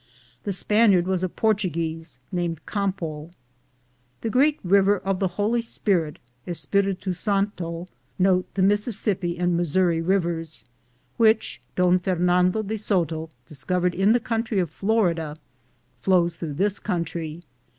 This Spaniard was a Portuguese, named Campo. The great river of the Holy Spirit (Espiritu Santo),' which Don Fernando de Soto dis covered in the country of Florida, flows through this country.